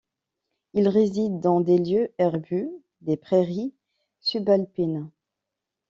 Il réside dans des lieux herbus, des prairies subalpines.